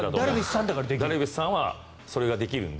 でも、ダルビッシュはそれができるので。